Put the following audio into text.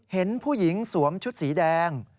เห็นผู้หญิงสวมชุดสีแดง